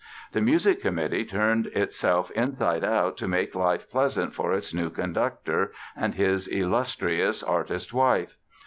The Music Committee turned itself inside out to make life pleasant for its new conductor and his illustrious artist wife.